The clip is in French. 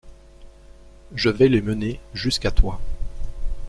Je vais les mener jusqu’à toi.